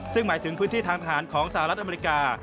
ซึ่งหมายถึงพื้นที่ทางทหารของสหรัฐอเมริกา